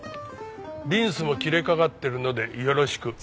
リンスも切れかかってるのでよろしく。